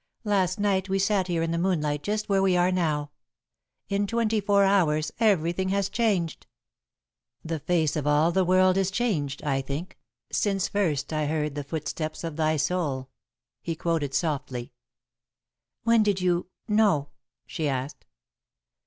"Last night we sat here in the moonlight, just where we are now. In twenty four hours, everything has changed." "The face of all the world is changed, I think, Since first I heard the footsteps of thy soul." he quoted softly. [Sidenote: When They Knew] "When did you know?" she asked.